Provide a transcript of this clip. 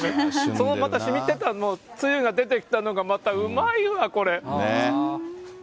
そのまた、しみて、つゆが出てきたのが、またうまいわ、これ。